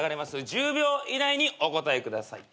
１０秒以内にお答えください。